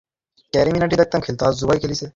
জনাকে দেখিয়া মতির সন্দেহ হয়।